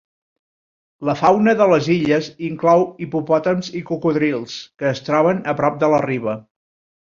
La fauna de les illes inclou hipopòtams i cocodrils, que es troben a prop de la riba.